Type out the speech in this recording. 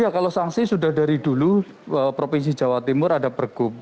ya kalau sanksi sudah dari dulu provinsi jawa timur ada pergub